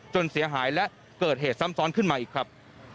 เสียหายและเกิดเหตุซ้ำซ้อนขึ้นมาอีกครับ